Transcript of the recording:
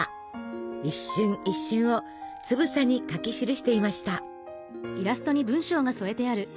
一瞬一瞬をつぶさに描き記していました。